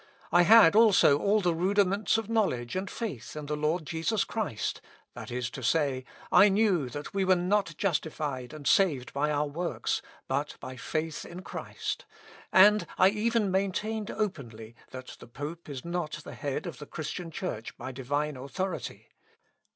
I had also all the rudiments of knowledge and faith in the Lord Jesus Christ, that is to say, I knew that we were not justified and saved by our works, but by faith in Christ: and I even maintained openly, that the pope is not head of the Christian Church by divine authority.